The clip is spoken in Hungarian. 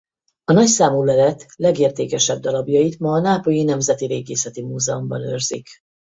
A nagyszámú lelet legértékesebb darabjait ma a nápolyi Nemzeti Régészeti Múzeumban őrzik.